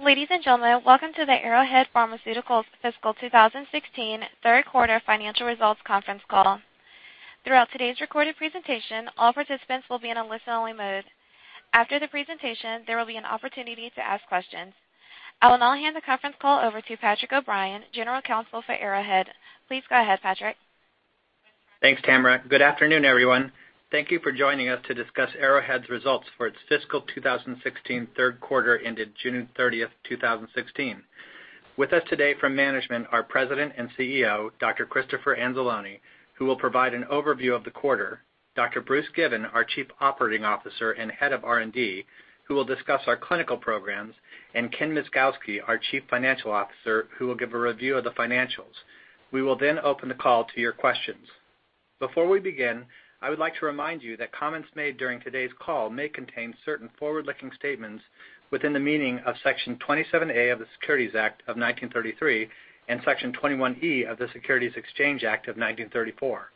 Ladies and gentlemen, welcome to the Arrowhead Pharmaceuticals fiscal 2016 third quarter financial results conference call. Throughout today's recorded presentation, all participants will be in a listen-only mode. After the presentation, there will be an opportunity to ask questions. I will now hand the conference call over to Patrick O'Brien, General Counsel for Arrowhead. Please go ahead, Patrick. Thanks, Tamara. Good afternoon, everyone. Thank you for joining us to discuss Arrowhead's results for its fiscal 2016 third quarter ended June 30, 2016. With us today from management, are President and CEO, Dr. Christopher Anzalone, who will provide an overview of the quarter, Dr. Bruce Given, our Chief Operating Officer and Head of R&D, who will discuss our clinical programs, and Ken Myszkowski, our Chief Financial Officer, who will give a review of the financials. We will then open the call to your questions. Before we begin, I would like to remind you that comments made during today's call may contain certain forward-looking statements within the meaning of Section 27A of the Securities Act of 1933 and Section 21E of the Securities Exchange Act of 1934.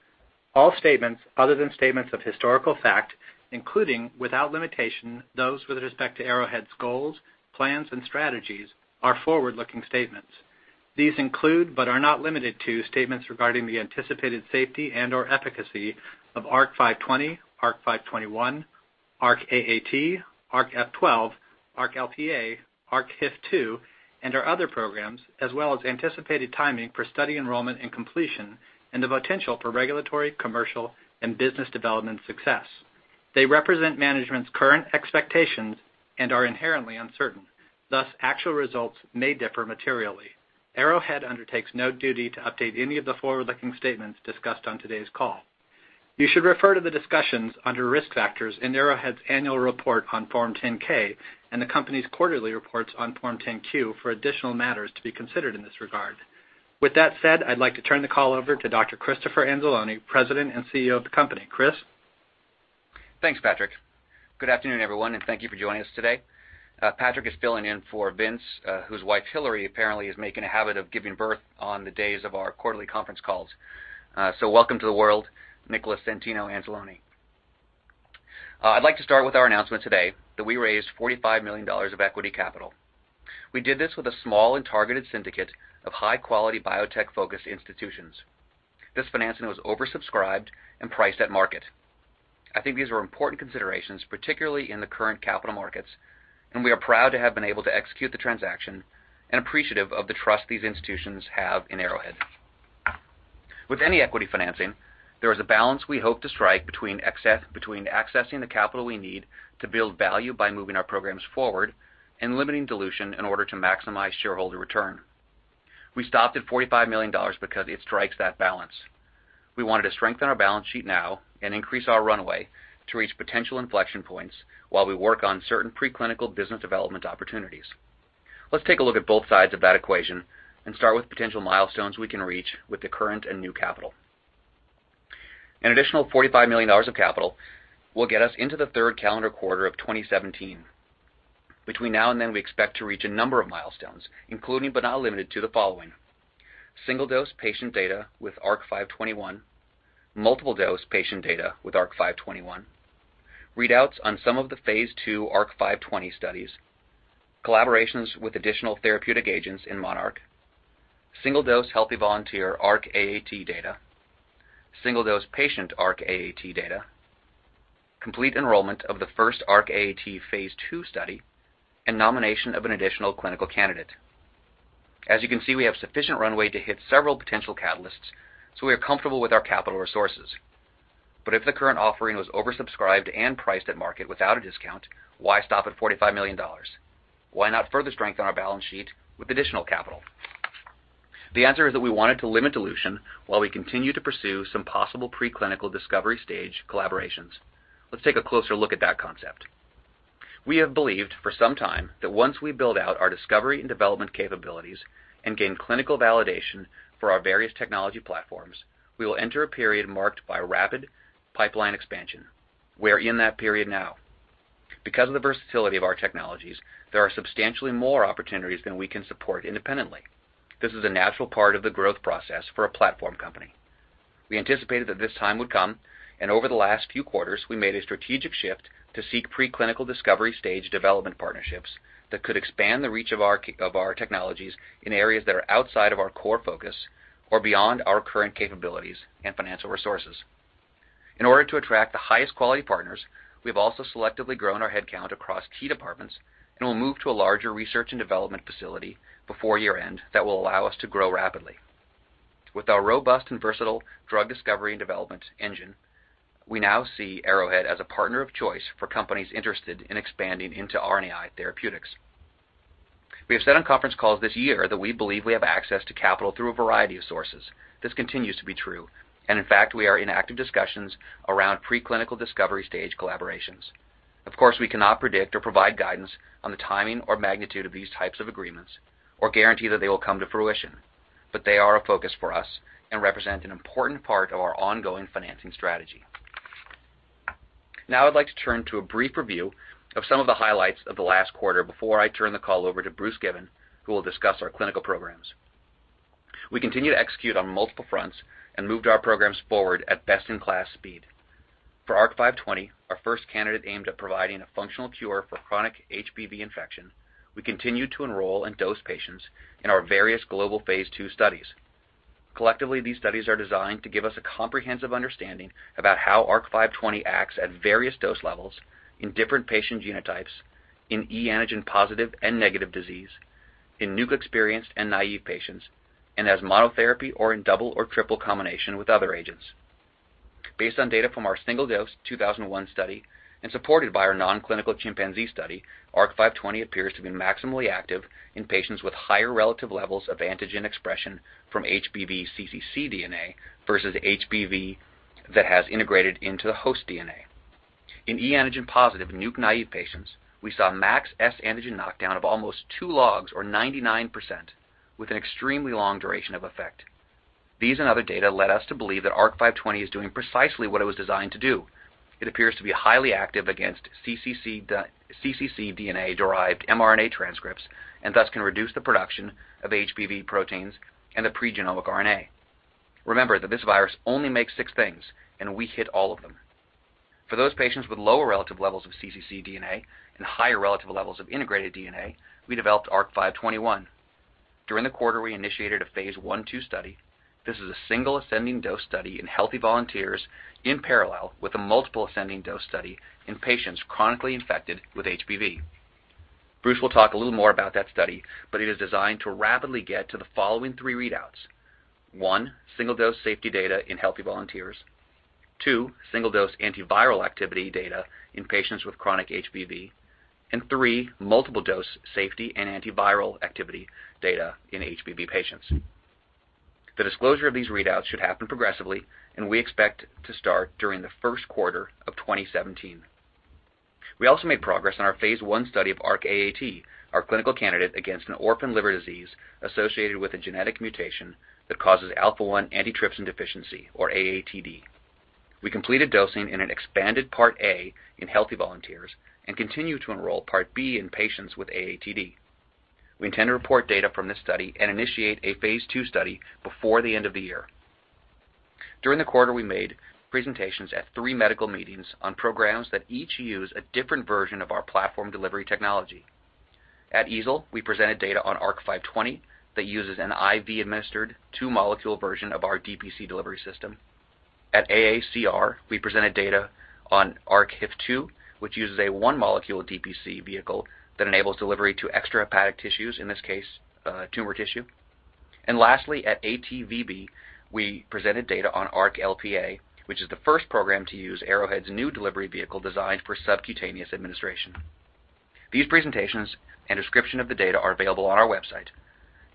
All statements other than statements of historical fact, including, without limitation, those with respect to Arrowhead's goals, plans, and strategies, are forward-looking statements. These include, but are not limited to, statements regarding the anticipated safety and/or efficacy of ARC-520, ARC-521, ARC-AAT, ARC-F12, ARC-LPA, ARC-HIF2, and our other programs, as well as anticipated timing for study enrollment and completion and the potential for regulatory, commercial, and business development success. They represent management's current expectations and are inherently uncertain. Thus, actual results may differ materially. Arrowhead undertakes no duty to update any of the forward-looking statements discussed on today's call. You should refer to the discussions under Risk Factors in Arrowhead's annual report on Form 10-K and the company's quarterly reports on Form 10-Q for additional matters to be considered in this regard. With that said, I'd like to turn the call over to Dr. Christopher Anzalone, President and CEO of the company. Chris? Thanks, Patrick. Good afternoon, everyone, and thank you for joining us today. Patrick is filling in for Vince, whose wife Hillary apparently is making a habit of giving birth on the days of our quarterly conference calls. Welcome to the world, Nicholas Santino Anzalone. I'd like to start with our announcement today that we raised $45 million of equity capital. We did this with a small and targeted syndicate of high-quality biotech-focused institutions. I think these are important considerations, particularly in the current capital markets, and we are proud to have been able to execute the transaction and appreciative of the trust these institutions have in Arrowhead. With any equity financing, there is a balance we hope to strike between accessing the capital we need to build value by moving our programs forward and limiting dilution in order to maximize shareholder return. We stopped at $45 million because it strikes that balance. We wanted to strengthen our balance sheet now and increase our runway to reach potential inflection points while we work on certain preclinical business development opportunities. Let's take a look at both sides of that equation and start with potential milestones we can reach with the current and new capital. An additional $45 million of capital will get us into the third calendar quarter of 2017. Between now and then, we expect to reach a number of milestones, including but not limited to the following. Single-dose patient data with ARC-521, multiple-dose patient data with ARC-521, readouts on some of the phase II ARC-520 studies, collaborations with additional therapeutic agents in MONARCH, single-dose healthy volunteer ARC-AAT data, single-dose patient ARC-AAT data, complete enrollment of the first ARC-AAT phase II study, and nomination of an additional clinical candidate. As you can see, we have sufficient runway to hit several potential catalysts. We are comfortable with our capital resources. If the current offering was oversubscribed and priced at market without a discount, why stop at $45 million? Why not further strengthen our balance sheet with additional capital? The answer is that we wanted to limit dilution while we continue to pursue some possible preclinical discovery stage collaborations. Let's take a closer look at that concept. We have believed for some time that once we build out our discovery and development capabilities and gain clinical validation for our various technology platforms, we will enter a period marked by rapid pipeline expansion. We are in that period now. Because of the versatility of our technologies, there are substantially more opportunities than we can support independently. This is a natural part of the growth process for a platform company. We anticipated that this time would come. Over the last few quarters, we made a strategic shift to seek preclinical discovery stage development partnerships that could expand the reach of our technologies in areas that are outside of our core focus or beyond our current capabilities and financial resources. In order to attract the highest quality partners, we've also selectively grown our headcount across key departments and will move to a larger research and development facility before year-end that will allow us to grow rapidly. With our robust and versatile drug discovery and development engine, we now see Arrowhead as a partner of choice for companies interested in expanding into RNAi therapeutics. We have said on conference calls this year that we believe we have access to capital through a variety of sources. This continues to be true. In fact, we are in active discussions around preclinical discovery stage collaborations. Of course, we cannot predict or provide guidance on the timing or magnitude of these types of agreements or guarantee that they will come to fruition. They are a focus for us and represent an important part of our ongoing financing strategy. Now I'd like to turn to a brief review of some of the highlights of the last quarter before I turn the call over to Bruce Given, who will discuss our clinical programs. We continue to execute on multiple fronts and moved our programs forward at best-in-class speed. For ARC-520, our first candidate aimed at providing a functional cure for chronic HBV infection, we continue to enroll and dose patients in our various global phase II studies. Collectively, these studies are designed to give us a comprehensive understanding about how ARC-520 acts at various dose levels in different patient genotypes, in e antigen positive and negative disease, in nuke-experienced and naive patients, and as monotherapy or in double or triple combination with other agents. Based on data from our single-dose 2001 study and supported by our non-clinical chimpanzee study, ARC-520 appears to be maximally active in patients with higher relative levels of antigen expression from HBV cccDNA versus HBV that has integrated into the host DNA. In e antigen-positive nuke-naive patients, we saw max S antigen knockdown of almost two logs or 99%, with an extremely long duration of effect. These and other data led us to believe that ARC-520 is doing precisely what it was designed to do. It appears to be highly active against cccDNA-derived mRNA transcripts, and thus can reduce the production of HBV proteins and the pregenomic RNA. Remember that this virus only makes six things, and we hit all of them. For those patients with lower relative levels of cccDNA and higher relative levels of integrated DNA, we developed ARC-521. During the quarter, we initiated a phase I/II study. This is a single ascending dose study in healthy volunteers in parallel with a multiple ascending dose study in patients chronically infected with HBV. Bruce will talk a little more about that study, but it is designed to rapidly get to the following three readouts. One, single-dose safety data in healthy volunteers. Two, single-dose antiviral activity data in patients with chronic HBV and three, multiple dose safety and antiviral activity data in HBV patients. The disclosure of these readouts should happen progressively. We expect to start during the first quarter of 2017. We also made progress on our phase I study of ARC-AAT, our clinical candidate against an orphan liver disease associated with a genetic mutation that causes alpha-1 antitrypsin deficiency, or AATD. We completed dosing in an expanded part A in healthy volunteers and continue to enroll part B in patients with AATD. We intend to report data from this study and initiate a phase II study before the end of the year. During the quarter, we made presentations at three medical meetings on programs that each use a different version of our platform delivery technology. At EASL, we presented data on ARC-520 that uses an IV-administered two-molecule version of our DPC delivery system. At AACR, we presented data on ARC-HIF2, which uses a one-molecule DPC vehicle that enables delivery to extrahepatic tissues, in this case, tumor tissue. Lastly, at ATVB, we presented data on ARC-LPA, which is the first program to use Arrowhead's new delivery vehicle designed for subcutaneous administration. These presentations and description of the data are available on our website.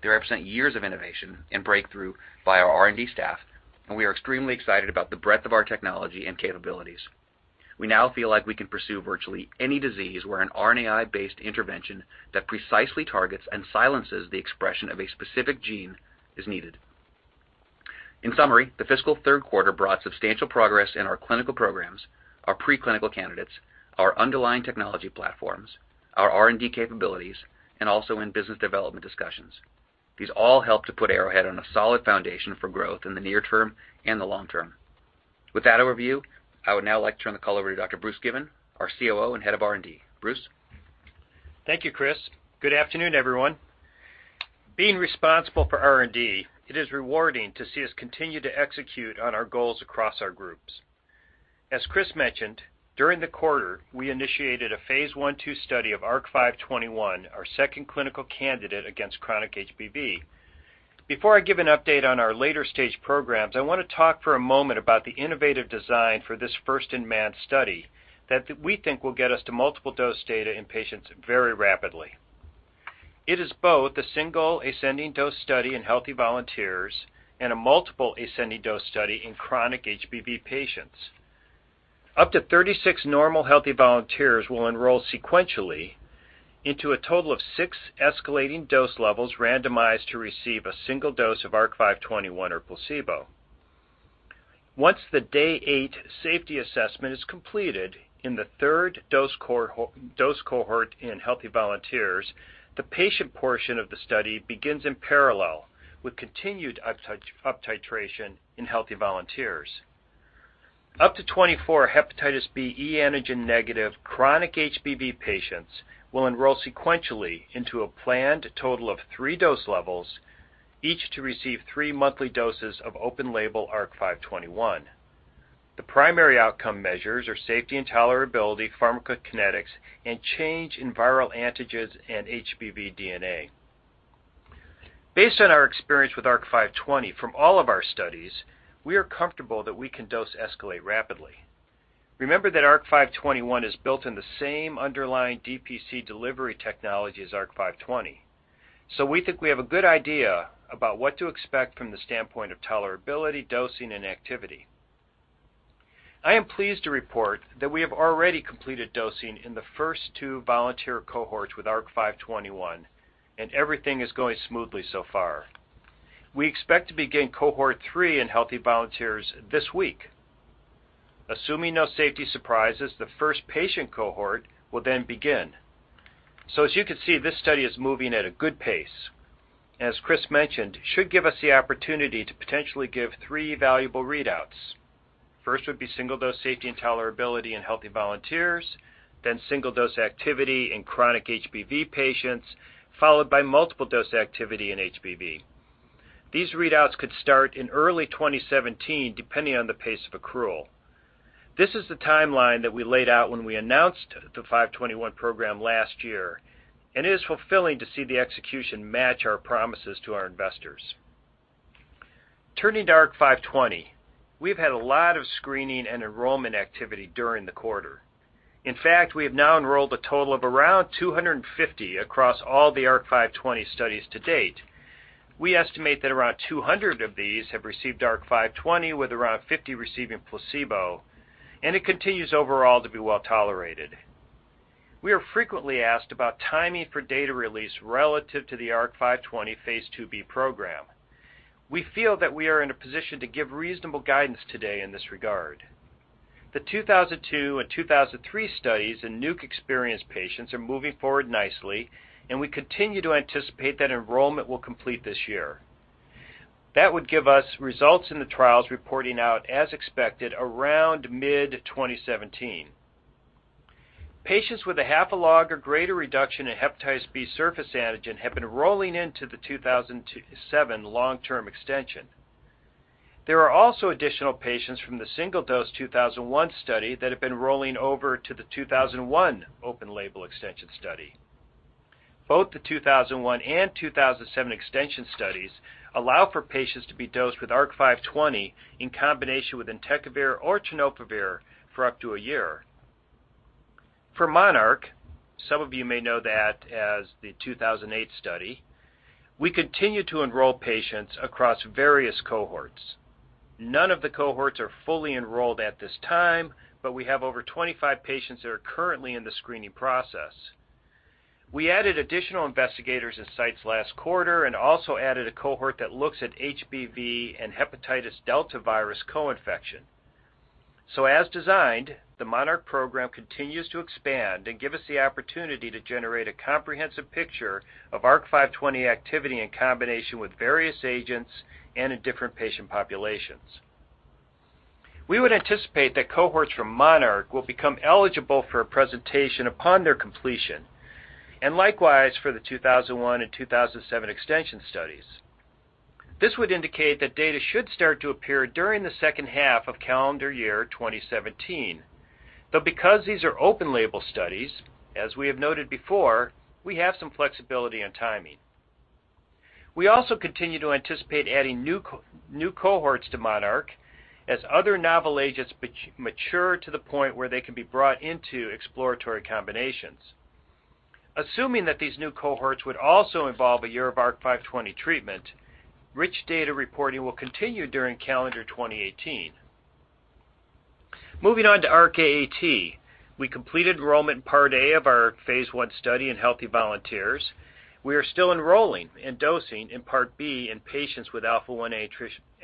They represent years of innovation and breakthrough by our R&D staff, and we are extremely excited about the breadth of our technology and capabilities. We now feel like we can pursue virtually any disease where an RNAi-based intervention that precisely targets and silences the expression of a specific gene is needed. In summary, the fiscal third quarter brought substantial progress in our clinical programs, our preclinical candidates, our underlying technology platforms, our R&D capabilities, and also in business development discussions. These all help to put Arrowhead on a solid foundation for growth in the near term and the long term. With that overview, I would now like to turn the call over to Dr. Bruce Given, our COO and Head of R&D. Bruce? Thank you, Chris. Good afternoon, everyone. Being responsible for R&D, it is rewarding to see us continue to execute on our goals across our groups. As Chris mentioned, during the quarter, we initiated a phase I/II study of ARC-521, our second clinical candidate against chronic HBV. Before I give an update on our later-stage programs, I want to talk for a moment about the innovative design for this first-in-man study that we think will get us to multiple dose data in patients very rapidly. It is both a single ascending dose study in healthy volunteers and a multiple ascending dose study in chronic HBV patients. Up to 36 normal healthy volunteers will enroll sequentially into a total of six escalating dose levels randomized to receive a single dose of ARC-521 or placebo. Once the day eight safety assessment is completed in the third dose cohort in healthy volunteers, the patient portion of the study begins in parallel with continued uptitration in healthy volunteers. Up to 24 hepatitis B e antigen negative chronic HBV patients will enroll sequentially into a planned total of three dose levels, each to receive three monthly doses of open label ARC-521. The primary outcome measures are safety and tolerability, pharmacokinetics, and change in viral antigens and HBV DNA. Based on our experience with ARC-520 from all of our studies, we are comfortable that we can dose escalate rapidly. Remember that ARC-521 is built in the same underlying DPC delivery technology as ARC-520. We think we have a good idea about what to expect from the standpoint of tolerability, dosing, and activity. I am pleased to report that we have already completed dosing in the first two volunteer cohorts with ARC-521, and everything is going smoothly so far. We expect to begin cohort three in healthy volunteers this week. Assuming no safety surprises, the first patient cohort will then begin. As you can see, this study is moving at a good pace, and as Chris mentioned, should give us the opportunity to potentially give three valuable readouts. First would be single-dose safety and tolerability in healthy volunteers, then single-dose activity in chronic HBV patients, followed by multiple-dose activity in HBV. These readouts could start in early 2017, depending on the pace of accrual. This is the timeline that we laid out when we announced the 521 program last year, and it is fulfilling to see the execution match our promises to our investors. Turning to ARC-520, we've had a lot of screening and enrollment activity during the quarter. In fact, we have now enrolled a total of around 250 across all the ARC-520 studies to date. We estimate that around 200 of these have received ARC-520, with around 50 receiving placebo, and it continues overall to be well-tolerated. We are frequently asked about timing for data release relative to the ARC-520 phase IIb program. We feel that we are in a position to give reasonable guidance today in this regard. The 2002 and 2003 studies in nuke-experienced patients are moving forward nicely. We continue to anticipate that enrollment will complete this year. That would give us results in the trials reporting out as expected around mid-2017. Patients with a half a log or greater reduction in hepatitis B surface antigen have been rolling into the 2007 long-term extension. There are also additional patients from the single-dose 2001 study that have been rolling over to the 2001 open label extension study. Both the 2001 and 2007 extension studies allow for patients to be dosed with ARC-520 in combination with entecavir or tenofovir for up to a year. For MONARCH, some of you may know that as the 2008 study, we continue to enroll patients across various cohorts. None of the cohorts are fully enrolled at this time, but we have over 25 patients that are currently in the screening process. We added additional investigators and sites last quarter and also added a cohort that looks at HBV and hepatitis delta virus co-infection. As designed, the MONARCH program continues to expand and give us the opportunity to generate a comprehensive picture of ARC-520 activity in combination with various agents and in different patient populations. We would anticipate that cohorts from MONARCH will become eligible for a presentation upon their completion, and likewise for the 2001 and 2007 extension studies. This would indicate that data should start to appear during the second half of calendar year 2017, though because these are open label studies, as we have noted before, we have some flexibility on timing. We also continue to anticipate adding new cohorts to MONARCH as other novel agents mature to the point where they can be brought into exploratory combinations. Assuming that these new cohorts would also involve a year of ARC-520 treatment, rich data reporting will continue during calendar 2018. Moving on to ARC-AAT, we completed enrollment Part A of our phase I study in healthy volunteers. We are still enrolling and dosing in Part B in patients with alpha-1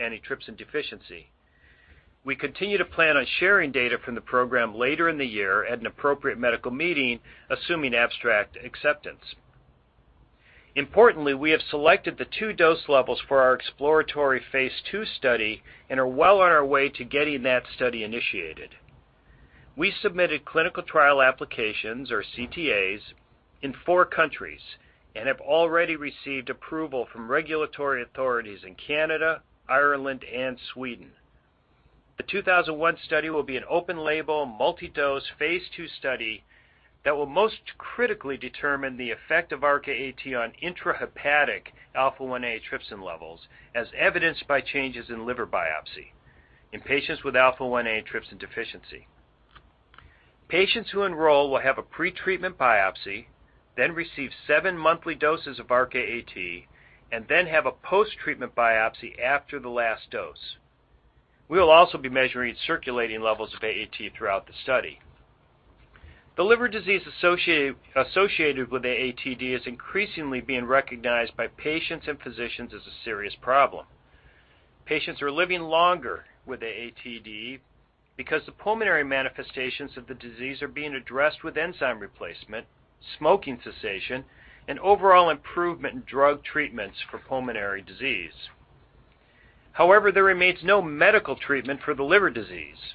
antitrypsin deficiency. We continue to plan on sharing data from the program later in the year at an appropriate medical meeting, assuming abstract acceptance. Importantly, we have selected the two dose levels for our exploratory phase II study and are well on our way to getting that study initiated. We submitted clinical trial applications, or CTAs, in four countries and have already received approval from regulatory authorities in Canada, Ireland, and Sweden. The 2001 study will be an open label, multi-dose, phase II study that will most critically determine the effect of ARC-AAT on intrahepatic alpha-1 antitrypsin levels, as evidenced by changes in liver biopsy in patients with alpha-1 antitrypsin deficiency. Patients who enroll will have a pretreatment biopsy, then receive seven monthly doses of ARC-AAT, and then have a post-treatment biopsy after the last dose. We will also be measuring circulating levels of AAT throughout the study. The liver disease associated with AATD is increasingly being recognized by patients and physicians as a serious problem. Patients are living longer with AATD because the pulmonary manifestations of the disease are being addressed with enzyme replacement, smoking cessation, and overall improvement in drug treatments for pulmonary disease. However, there remains no medical treatment for the liver disease.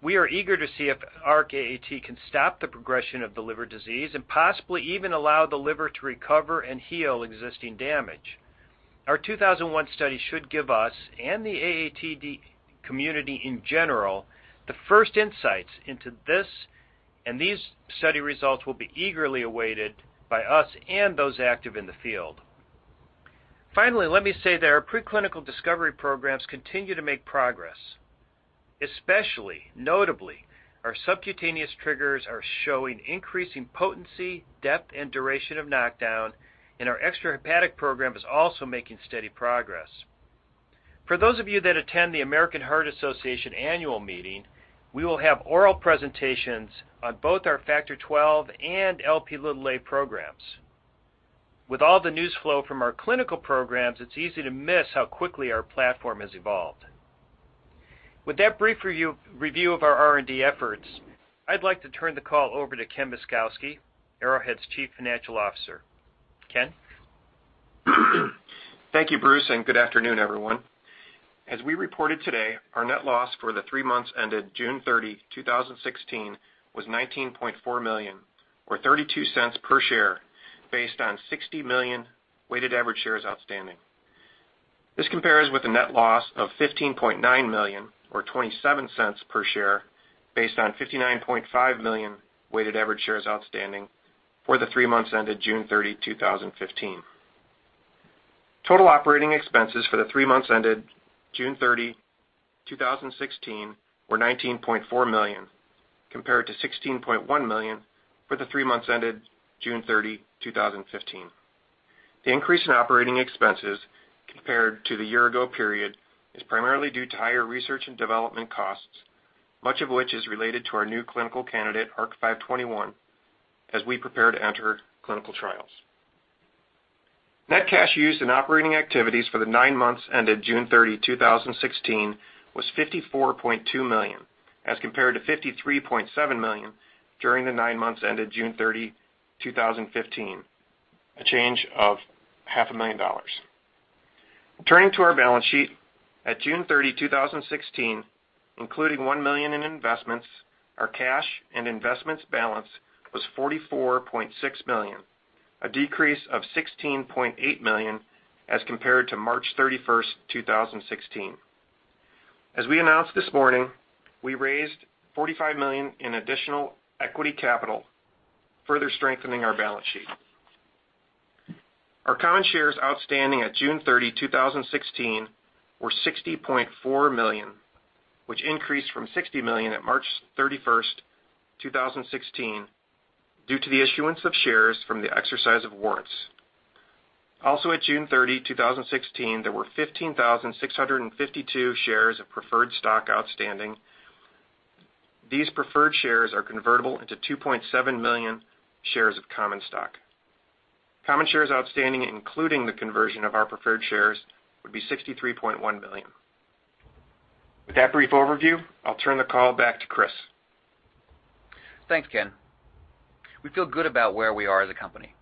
We are eager to see if ARC-AAT can stop the progression of the liver disease and possibly even allow the liver to recover and heal existing damage. Our 2001 study should give us and the AATD community in general the first insights into this, and these study results will be eagerly awaited by us and those active in the field. Let me say that our preclinical discovery programs continue to make progress, especially, notably, our subcutaneous triggers are showing increasing potency, depth, and duration of knockdown, and our extrahepatic program is also making steady progress. For those of you that attend the American Heart Association annual meeting, we will have oral presentations on both our Factor XII and Lp programs. With all the news flow from our clinical programs, it's easy to miss how quickly our platform has evolved. With that brief review of our R&D efforts, I'd like to turn the call over to Ken Myszkowski, Arrowhead's Chief Financial Officer. Ken? Thank you, Bruce, good afternoon, everyone. As we reported today, our net loss for the three months ended June 30, 2016, was $19.4 million, or $0.32 per share, based on 60 million weighted average shares outstanding. This compares with a net loss of $15.9 million, or $0.27 per share, based on 59.5 million weighted average shares outstanding for the three months ended June 30, 2015. Total operating expenses for the three months ended June 30, 2016, were $19.4 million, compared to $16.1 million for the three months ended June 30, 2015. The increase in operating expenses compared to the year-ago period is primarily due to higher research and development costs, much of which is related to our new clinical candidate, ARC-521, as we prepare to enter clinical trials. Net cash used in operating activities for the nine months ended June 30, 2016, was $54.2 million, as compared to $53.7 million during the nine months ended June 30, 2015, a change of half a million dollars. Turning to our balance sheet. At June 30, 2016, including $1 million in investments, our cash and investments balance was $44.6 million, a decrease of $16.8 million as compared to March 31, 2016. As we announced this morning, we raised $45 million in additional equity capital, further strengthening our balance sheet. Our common shares outstanding at June 30, 2016, were $60.4 million, which increased from $60 million at March 31, 2016, due to the issuance of shares from the exercise of warrants. Also, at June 30, 2016, there were 15,652 shares of preferred stock outstanding. These preferred shares are convertible into 2.7 million shares of common stock. Common shares outstanding, including the conversion of our preferred shares, would be $63.1 million. With that brief overview, I'll turn the call back to Chris. Thanks, Ken. We feel good about where we are as a company.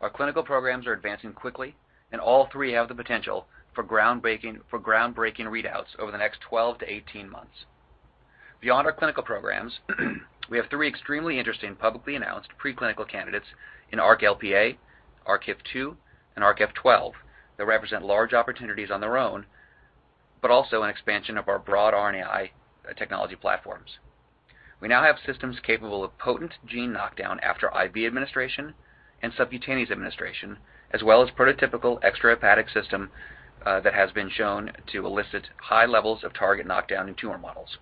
Our clinical programs are advancing quickly, and all three have the potential for groundbreaking readouts over the next 12 to 18 months. Beyond our clinical programs, we have three extremely interesting publicly announced preclinical candidates in ARC-LPA, ARC-HIF2, and ARC-F12 that represent large opportunities on their own, but also an expansion of our broad RNAi technology platforms. We now have systems capable of potent gene knockdown after IV administration and subcutaneous administration, as well as prototypical extrahepatic system that has been shown to elicit high levels of target knockdown in tumor models.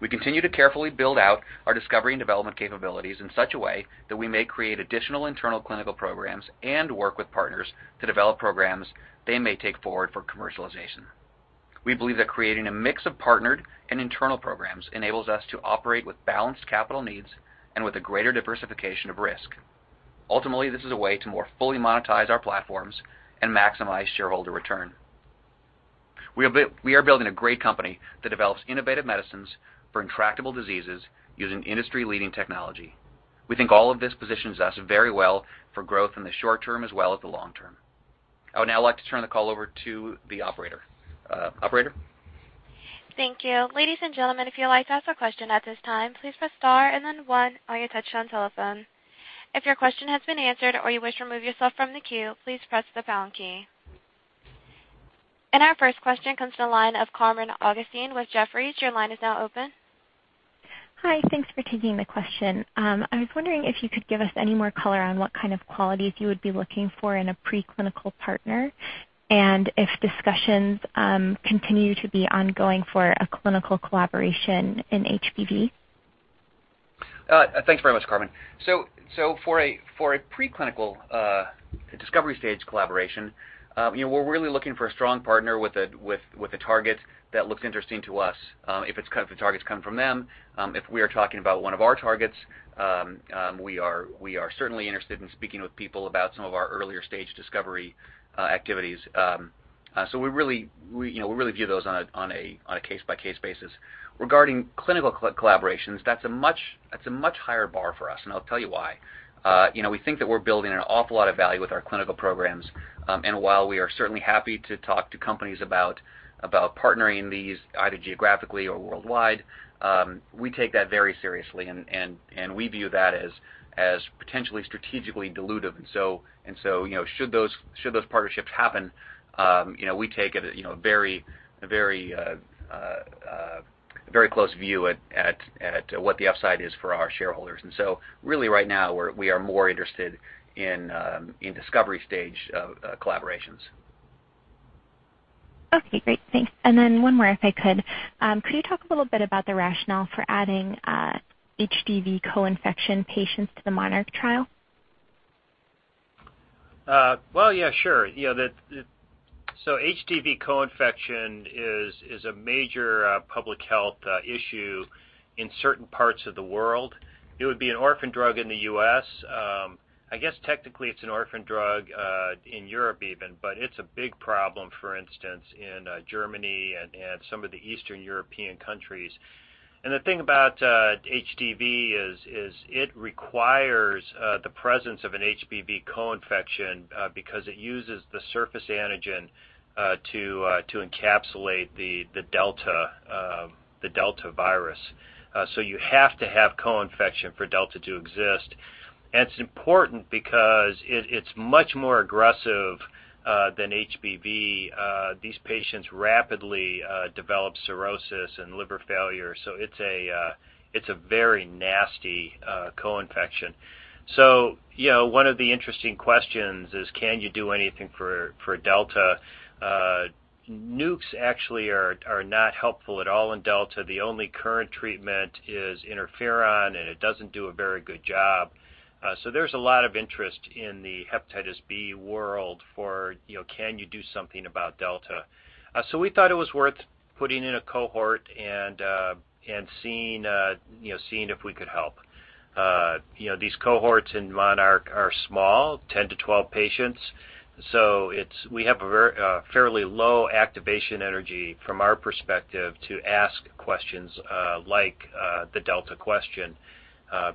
We continue to carefully build out our discovery and development capabilities in such a way that we may create additional internal clinical programs and work with partners to develop programs they may take forward for commercialization. We believe that creating a mix of partnered and internal programs enables us to operate with balanced capital needs and with a greater diversification of risk. Ultimately, this is a way to more fully monetize our platforms and maximize shareholder return. We are building a great company that develops innovative medicines for intractable diseases using industry-leading technology. We think all of this positions us very well for growth in the short term as well as the long term. I would now like to turn the call over to the operator. Operator? Thank you. Ladies and gentlemen, if you'd like to ask a question at this time, please press star and then one on your touch-tone telephone. If your question has been answered or you wish to remove yourself from the queue, please press the pound key. Our first question comes to the line of Carmen Augustine with Jefferies. Your line is now open. Hi. Thanks for taking the question. I was wondering if you could give us any more color on what kind of qualities you would be looking for in a preclinical partner and if discussions continue to be ongoing for a clinical collaboration in HBV. Thanks very much, Carmen. For a preclinical discovery stage collaboration, we're really looking for a strong partner with a target that looks interesting to us. If the targets come from them if we are talking about one of our targets, we are certainly interested in speaking with people about some of our earlier-stage discovery activities. We really view those on a case-by-case basis. Regarding clinical collaborations, that's a much higher bar for us, and I'll tell you why. We think that we're building an awful lot of value with our clinical programs, and while we are certainly happy to talk to companies about partnering these either geographically or worldwide, we take that very seriously, and we view that as potentially strategically dilutive. Should those partnerships happen, we take a very close view at what the upside is for our shareholders. Really right now, we are more interested in discovery stage collaborations. Okay, great. Thanks. One more, if I could. Could you talk a little bit about the rationale for adding HDV coinfection patients to the MONARCH trial? Well, yeah, sure. HDV coinfection is a major public health issue in certain parts of the world. It would be an orphan drug in the U.S. I guess technically it's an orphan drug in Europe even, it's a big problem, for instance, in Germany and some of the Eastern European countries. The thing about HDV is it requires the presence of an HBV coinfection, because it uses the surface antigen to encapsulate the delta virus. You have to have coinfection for delta to exist. It's important because it's much more aggressive than HBV. These patients rapidly develop cirrhosis and liver failure, it's a very nasty coinfection. One of the interesting questions is can you do anything for delta? Nucs actually are not helpful at all in delta. The only current treatment is interferon, and it doesn't do a very good job. There's a lot of interest in the hepatitis B world for can you do something about delta? We thought it was worth putting in a cohort and seeing if we could help. These cohorts in MONARCH are small, 10-12 patients. We have a fairly low activation energy from our perspective to ask questions like the delta question,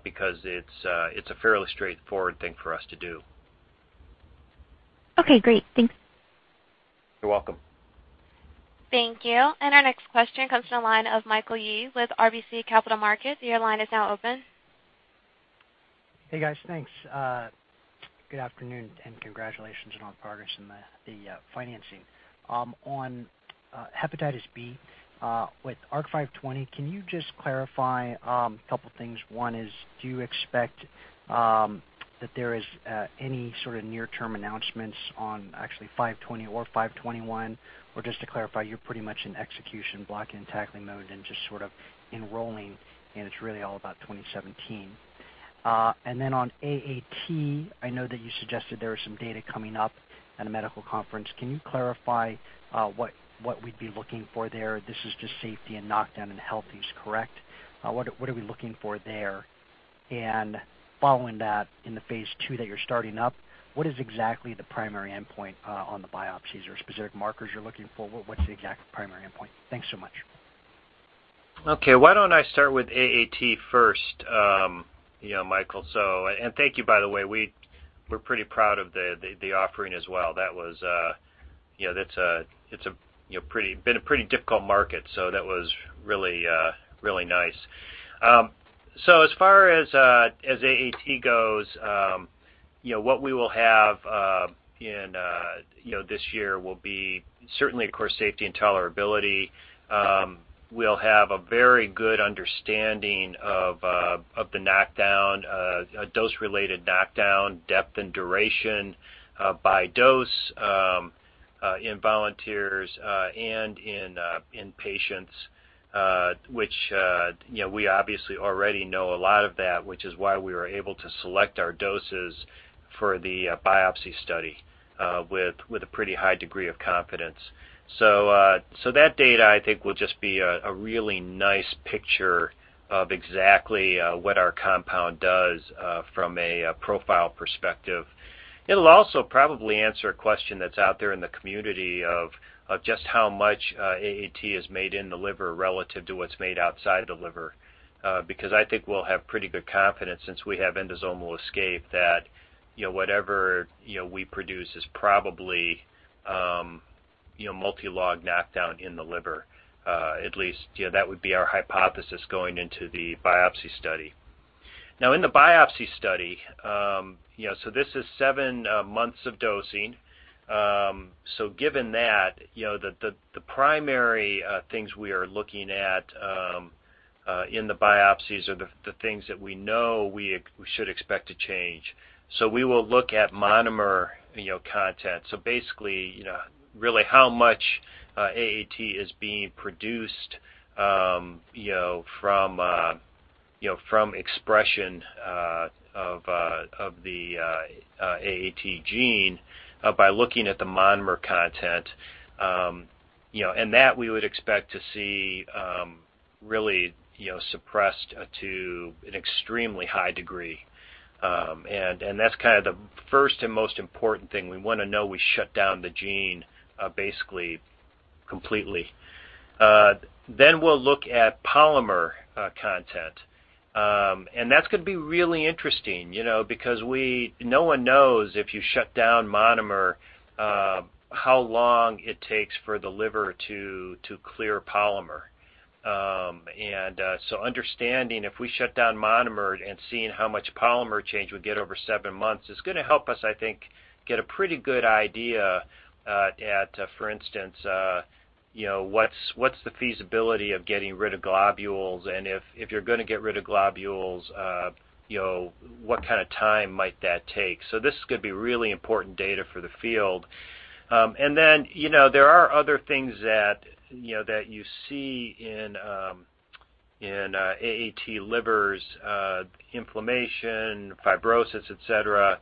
because it's a fairly straightforward thing for us to do. Okay, great. Thanks. You're welcome. Thank you. Our next question comes from the line of Michael Yee with RBC Capital Markets. Your line is now open. Hey, guys. Thanks. Good afternoon and congratulations on progress in the financing. On hepatitis B with ARC-520, can you just clarify a couple things? One is, do you expect that there is any sort of near-term announcements on actually 520 or 521? Or just to clarify, you're pretty much in execution block and tackling mode and just sort of enrolling, and it's really all about 2017. On AAT, I know that you suggested there was some data coming up at a medical conference. Can you clarify what we'd be looking for there? This is just safety and knockdown in healthies, correct? What are we looking for there? Following that, in the phase II that you're starting up, what is exactly the primary endpoint on the biopsies? Are there specific markers you're looking for? What's the exact primary endpoint? Thanks so much. Okay. Why don't I start with AAT first, Michael. Thank you, by the way. We're pretty proud of the offering as well. That's been a pretty difficult market. That was really nice. As far as AAT goes, what we will have in this year will be certainly, of course, safety and tolerability. We'll have a very good understanding of the knockdown, dose-related knockdown, depth, and duration by dose in volunteers and in patients, which we obviously already know a lot of that, which is why we were able to select our doses for the biopsy study with a pretty high degree of confidence. That data, I think, will just be a really nice picture of exactly what our compound does from a profile perspective. It'll also probably answer a question that's out there in the community of just how much AAT is made in the liver relative to what's made outside the liver. I think we'll have pretty good confidence since we have endosomal escape that whatever we produce is probably multi-log knockdown in the liver. At least, that would be our hypothesis going into the biopsy study. In the biopsy study, this is seven months of dosing. Given that, the primary things we are looking at in the biopsies are the things that we know we should expect to change. We will look at monomer content. Basically, really how much AAT is being produced from expression of the AAT gene by looking at the monomer content. That we would expect to see really suppressed to an extremely high degree. That's kind of the first and most important thing. We want to know we shut down the gene basically completely. We'll look at polymer content. That's going to be really interesting, because no one knows if you shut down monomer how long it takes for the liver to clear polymer. Understanding if we shut down monomer and seeing how much polymer change we get over seven months is going to help us, I think, get a pretty good idea at, for instance, what's the feasibility of getting rid of globules. If you're going to get rid of globules, what kind of time might that take? This is going to be really important data for the field. There are other things that you see in AAT livers, inflammation, fibrosis, et cetera.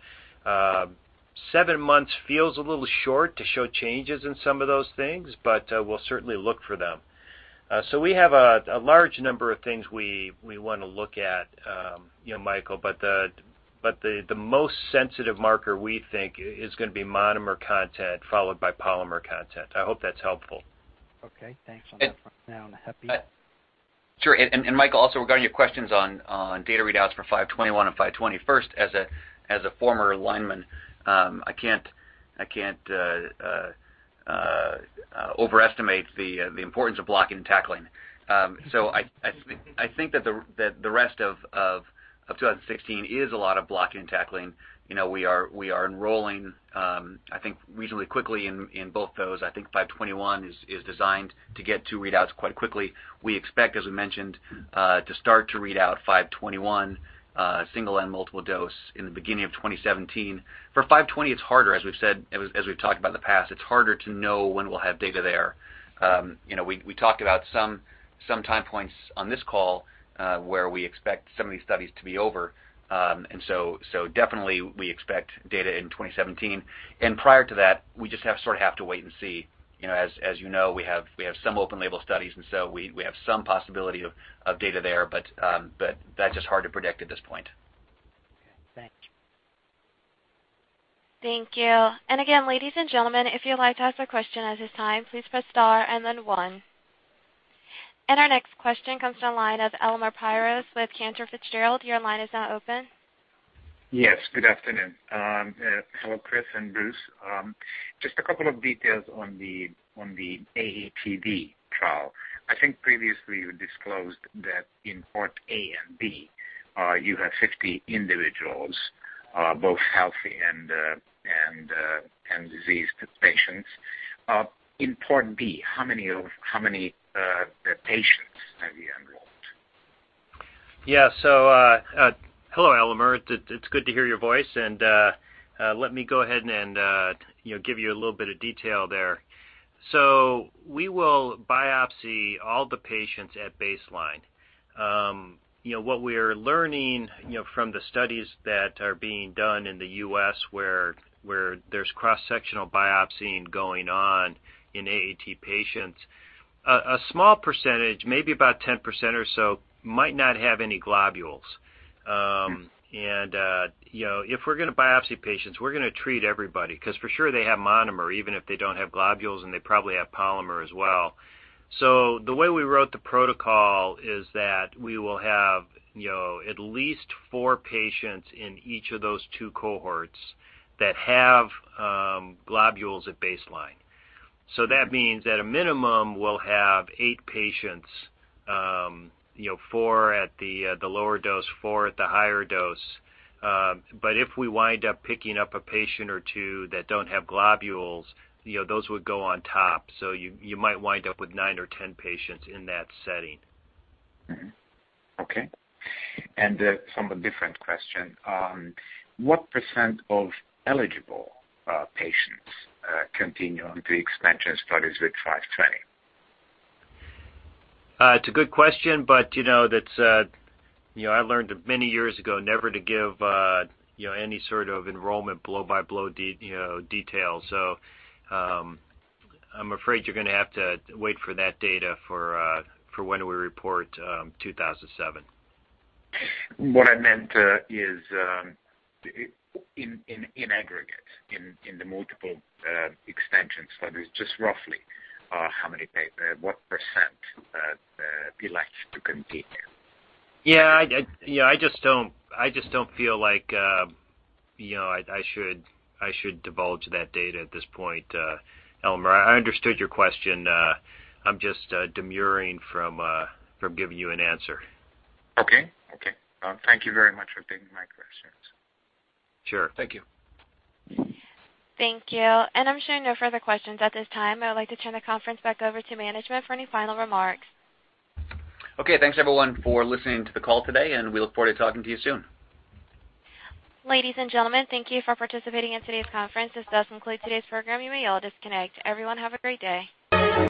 Seven months feels a little short to show changes in some of those things. We'll certainly look for them. We have a large number of things we want to look at, Michael. The most sensitive marker, we think, is going to be monomer content followed by polymer content. I hope that's helpful. Okay, thanks on that front. Michael, also regarding your questions on data readouts for 521 and 520. First, as a former lineman, I can't overestimate the importance of blocking and tackling. I think that the rest of 2016 is a lot of blocking and tackling. We are enrolling, I think, reasonably quickly in both those. I think 521 is designed to get two readouts quite quickly. We expect, as we mentioned, to start to read out 521, single and multiple dose in the beginning of 2017. For 520, it's harder, as we've said, as we've talked about in the past. It's harder to know when we'll have data there. We talked about some time points on this call where we expect some of these studies to be over. Definitely we expect data in 2017. Prior to that, we just sort of have to wait and see. As you know, we have some open label studies, and so we have some possibility of data there, but that's just hard to predict at this point. Okay, thanks. Thank you. Again, ladies and gentlemen, if you'd like to ask a question at this time, please press star and then one. Our next question comes from the line of Elemer Piros with Cantor Fitzgerald. Your line is now open. Yes, good afternoon. Hello, Chris and Bruce. Just a couple of details on the AATD trial. I think previously you disclosed that in part A and B, you have 50 individuals, both healthy and diseased patients. In part B, how many patients have you enrolled? Yeah. Hello, Elemer. It's good to hear your voice, let me go ahead and give you a little bit of detail there. We will biopsy all the patients at baseline. What we're learning from the studies that are being done in the U.S. where there's cross-sectional biopsying going on in AAT patients. A small percentage, maybe about 10% or so, might not have any globules. Sure. If we're going to biopsy patients, we're going to treat everybody because for sure they have monomer, even if they don't have globules, and they probably have polymer as well. The way we wrote the protocol is that we will have at least four patients in each of those two cohorts that have globules at baseline. That means at a minimum, we'll have eight patients, four at the lower dose, four at the higher dose. If we wind up picking up a patient or two that don't have globules, those would go on top. You might wind up with nine or 10 patients in that setting. Mm-hmm. Okay. Some different question. What % of eligible patients continue on the expansion studies with [520]? It's a good question. I learned many years ago never to give any sort of enrollment blow-by-blow detail. I'm afraid you're going to have to wait for that data for when we report 2007. What I meant is in aggregate, in the multiple extension studies, just roughly what % elect to continue. Yeah. I just don't feel like I should divulge that data at this point, Elemer. I understood your question. I'm just demurring from giving you an answer. Okay. Thank you very much for taking my questions. Sure. Thank you. Thank you. I'm showing no further questions at this time. I would like to turn the conference back over to management for any final remarks. Okay. Thanks, everyone, for listening to the call today, and we look forward to talking to you soon. Ladies and gentlemen, thank you for participating in today's conference. This does conclude today's program. You may all disconnect. Everyone have a great day.